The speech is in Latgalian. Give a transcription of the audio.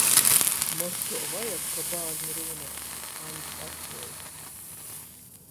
"Mož tuo vajag, ka bārni rūnās," Aņds atšveikst.